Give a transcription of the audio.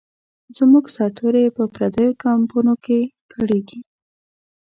زموږ سرتوري به په پردیو کمپونو کې کړیږي.